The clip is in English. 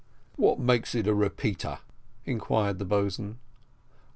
"What makes it a repeater?" inquired the boatswain.